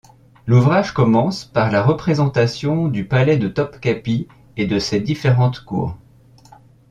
L'ouvrage commence par la représentation du palais de Topkapi et de ses différentes cours.